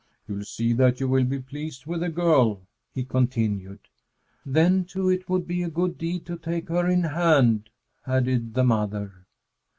"You'll see that you will be pleased with the girl," he continued. "Then, too, it would be a good deed to take her in hand," added the mother.